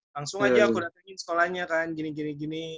langsung aja aku datangin sekolahnya kan gini gini